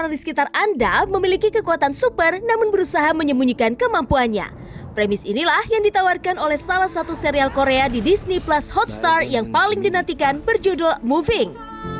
di disney plus hotstar yang paling dinantikan berjudul moving